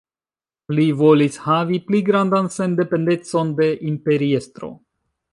Li volis havi pli grandan sendependecon de Imperiestro.